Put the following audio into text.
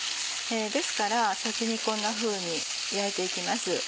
ですから先にこんなふうに焼いて行きます。